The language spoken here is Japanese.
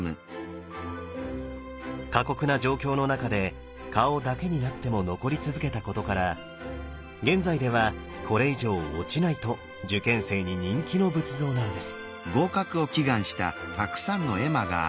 過酷な状況の中で顔だけになっても残り続けたことから現在ではこれ以上落ちないと受験生に人気の仏像なんです